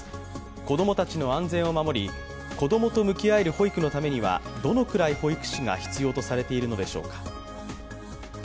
子供たちの安全を守り子供と向き合える保育のためにはどのくらい保育士が必要とされているのでしょうか。